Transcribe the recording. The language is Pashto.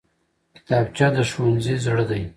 کتابچه د ښوونځي زړه دی